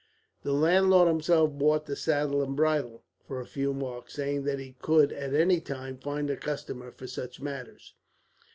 The landlord himself bought the saddle and bridle, for a few marks; saying that he could, at any time, find a customer for such matters.